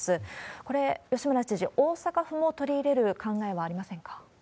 これ、吉村知事、大阪府も取り入れる考えはありませんか？